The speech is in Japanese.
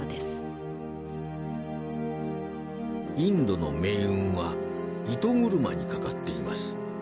「インドの命運は糸車に懸かっています。